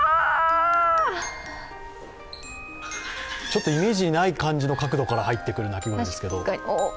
ちょっとイメージにない感じの角度から入ってくる鳴き声ですが。